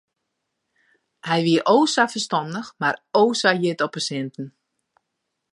Hy wie o sa ferstannich mar o sa hjit op sinten.